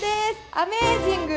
アメージング！